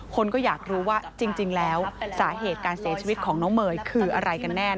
คนก็อยากรู้ว่าจริงแล้วสาเหตุการเสียชีวิตของอาอะไรแน่